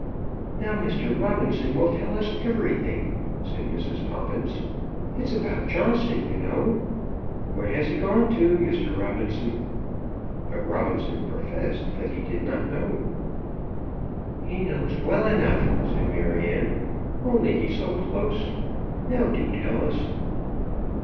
"Now Mr. Robinson will tell us everything," said Mrs. Poppins. "It's about Johnson, you know. Where has he gone to, Mr. Robinson?" But Robinson professed that he did not know. "He knows well enough," said Maryanne, "only he's so close. Now do tell us."